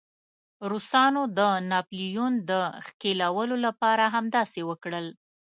روسانو د ناپلیون د ښکېلولو لپاره همداسې وکړل.